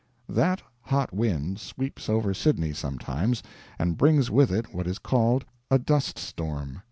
That hot wind sweeps over Sydney sometimes, and brings with it what is called a "dust storm."